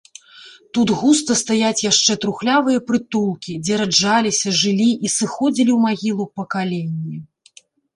Тут густа стаяць яшчэ трухлявыя прытулкі, дзе раджаліся, жылі і сыходзілі ў магілу пакаленні.